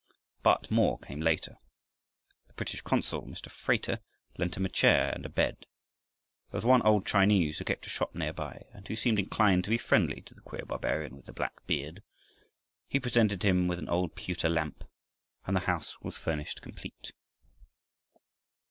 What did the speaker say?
But more came later. The British consul, Mr. Frater, lent him a chair and a bed. There was one old Chinese, who kept a shop near by, and who seemed inclined to be friendly to the queer barbarian with the black beard. He presented him with an old pewter lamp, and the house was furnished complete.